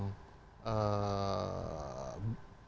rekan tulisert empat